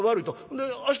んで明日